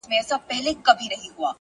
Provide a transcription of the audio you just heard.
هوډ د ستونزو تر منځ لار جوړوي,